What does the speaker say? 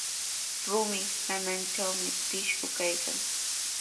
Rumi hanantrawmi pishqu kaykan.